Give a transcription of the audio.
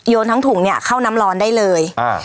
ทั้งถุงเนี่ยเข้าน้ำร้อนได้เลย